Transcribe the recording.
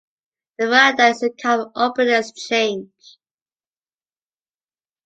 The verandah is a kind of open exchange.